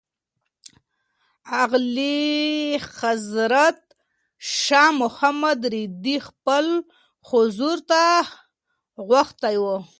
اعلیحضرت شاه محمود رېدی خپل حضور ته غوښتی و.